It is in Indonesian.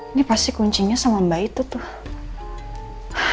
ini pasti kuncinya sama mbak itu tuh